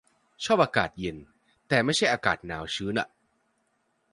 ชอบอากาศเย็น แต่ไม่ใช่อากาศหนาวชื้นอะ